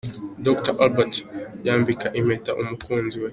Dr Albert yambika impeta umukunzi we.